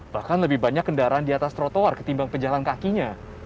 bahkan lebih banyak kendaraan di atas trotoar ketimbang pejalan kakinya